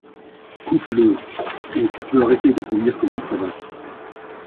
Coupe-le. Et tu peux arrêter de conduire comme une savate